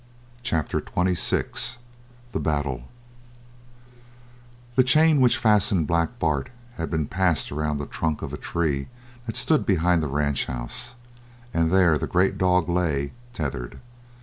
CHAPTER XXVI THE BATTLE The chain which fastened Black Bart had been passed around the trunk of a tree that stood behind the ranch house, and there the great dog lay tethered.